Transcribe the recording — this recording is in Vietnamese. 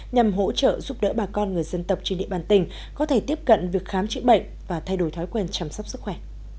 nhằm hỗ trợ giúp đỡ bà con người dân tộc trên địa bàn tỉnh có thể tiếp cận việc khám chữa bệnh và thay đổi thói quen chăm sóc sức khỏe